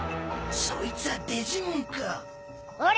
そいつはデジモンか！？